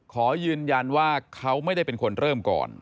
ขอยืนยันว่าเขาไม่ได้เป็นคนเริ่มก่อน